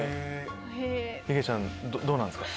へぇいげちゃんどうなんですか？